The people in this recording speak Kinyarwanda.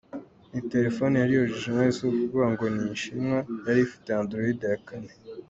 Ni telefone yari ‘original’ si ukuvuga ngo ni ’inshinwa’ , yari ifite Android ya kane.